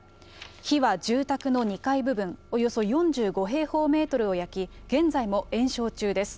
火は住宅の２階部分、およそ４５平方メートルを焼き、現在も延焼中です。